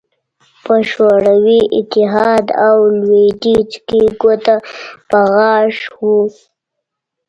په شوروي اتحاد او لوېدیځ کې ګوته په غاښ وو